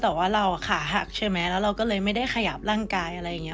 แต่ว่าเราขาหักใช่ไหมแล้วเราก็เลยไม่ได้ขยับร่างกายอะไรอย่างนี้